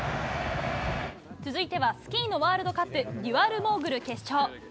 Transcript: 続いてはスキーのワールドカップ、デュアルモーグル決勝。